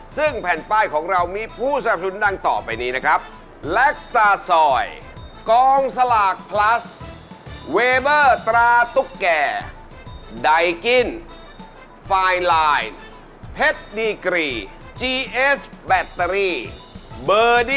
ซึ่งแผ่นป้ายของเรามีผู้สนับสนุนดังต่อไปนี้นะครับ